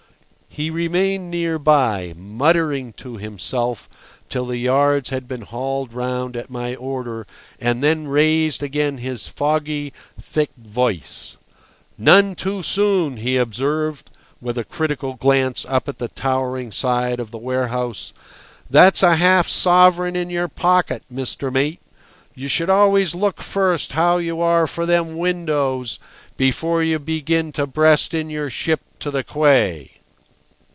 He remained near by, muttering to himself till the yards had been hauled round at my order, and then raised again his foggy, thick voice: "None too soon," he observed, with a critical glance up at the towering side of the warehouse. "That's a half sovereign in your pocket, Mr. Mate. You should always look first how you are for them windows before you begin to breast in your ship to the quay."